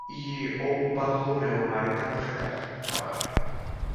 იგი იყო უბადლო მეომარი და მხედართმთავარი.